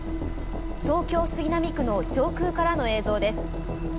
東京・杉並区の上空からの映像です。